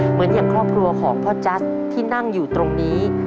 เหมือนอย่างครอบครัวของพ่อจัสที่นั่งอยู่ตรงนี้